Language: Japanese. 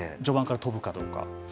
序盤からとぶかどうか？